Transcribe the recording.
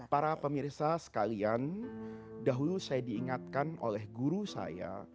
para pemirsa sekalian dahulu saya diingatkan oleh guru saya